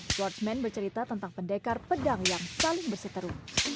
swordsman bercerita tentang pendekar pedang yang paling berseteru